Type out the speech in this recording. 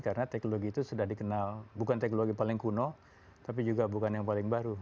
karena teknologi itu sudah dikenal bukan teknologi paling kuno tapi juga bukan yang paling baru